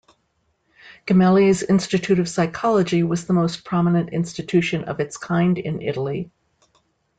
Gemelli's Institute of Psychology was the most prominent institution of its kind in Italy.